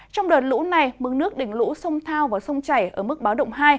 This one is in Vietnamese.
trong đợt lũ này mức nước đỉnh lũ sông thao và sông chảy ở mức báo động hai